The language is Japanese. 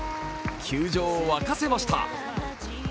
球場を沸かせました。